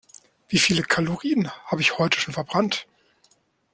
Wie viele Kalorien habe ich heute schon verbrannt?